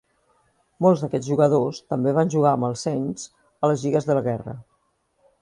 Molts d'aquests jugadors també van jugar amb el Saints a les lligues de la guerra.